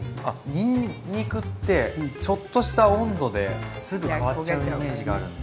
にんにくってちょっとした温度ですぐ変わっちゃうイメージがあるんで。